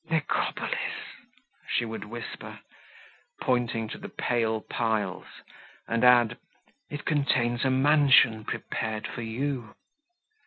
"Necropolis!" she would whisper, pointing to the pale piles, and add, "It contains a mansion prepared for you."